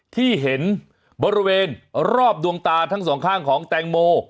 ที่เห็นบริเวณรอบดวงตาทั้งสองข้างของแตงโม